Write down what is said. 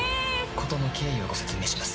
事の経緯をご説明します。